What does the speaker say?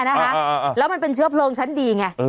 นะคะแล้วมันเป็นเชื้อโผล่งชั้นดีไง